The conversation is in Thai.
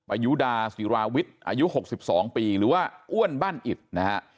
อายุดาศิราวิทย์อายุ๖๒ปีหรือว่าอ้วนบ้านอิดนะฮะ